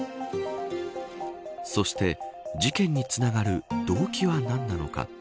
そして事件につながる動機は何なのか。